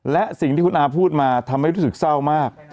และสิ่งที่คุณอาพูดมาทำให้รู้สึกเศร้ามาก